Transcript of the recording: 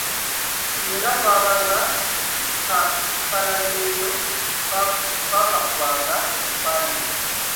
Singa twabanga tukalabyeyo twakakubanga ebifaananyi